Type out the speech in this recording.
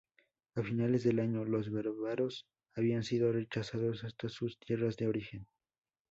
A finales del año, los bárbaros habían sido rechazados hasta sus tierras de origen.